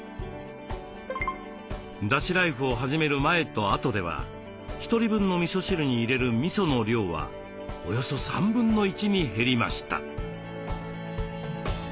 だしライフを始める前と後では１人分のみそ汁に入れるみその量はおよそ1/3に減りました。